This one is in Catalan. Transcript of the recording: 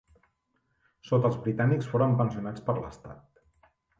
Sota els britànics foren pensionats per l'estat.